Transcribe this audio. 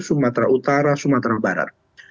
sumatera utara sumatera barat